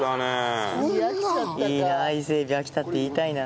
いいなあ「伊勢エビ飽きた」って言いたいな。